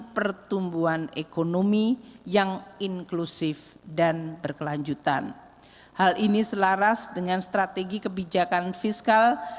pertumbuhan ekonomi yang inklusif dan berkelanjutan hal ini selaras dengan strategi kebijakan fiskal